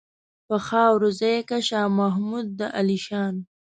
په خاورو ځای کا شاه محمود د عالیشان.